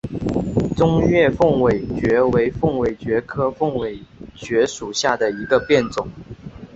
中越凤尾蕨为凤尾蕨科凤尾蕨属下的一个变种。